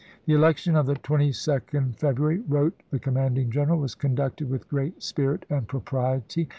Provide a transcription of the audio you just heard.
"The election of the 22d February," wrote the commanding general, " was conducted with great spirit and propriety.